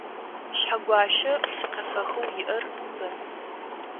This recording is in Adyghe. Шъхьэгуащэ псыкъефэхэу иӏэр бэ.